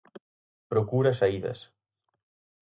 Procura saídas.